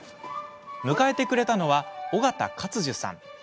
迎えてくれたのは尾形勝壽さん。